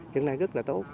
hiện nay rất là tốt